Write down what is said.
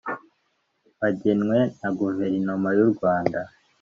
wagenwe na guverinoma y’u rwanda